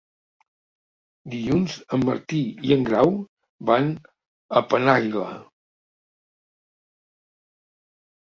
Dilluns en Martí i en Grau van a Penàguila.